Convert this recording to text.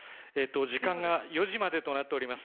時間が４時までとなっております。